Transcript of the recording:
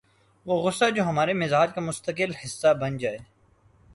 وہ غصہ جو ہمارے مزاج کا مستقل حصہ بن جائے